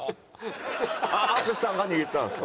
淳さんが握ったんですか？